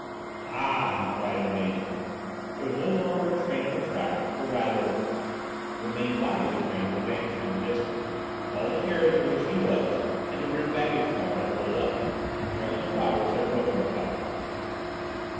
"Ah!" he cried in amazement. There was no longer a train on the track, or rather, the main body of the train was vanishing in the distance, while the carriage in which he was and the rear baggage car had pulled up. Apparently the robbers had broken the couplings.